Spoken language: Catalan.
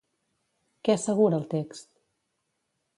Què assegura el text?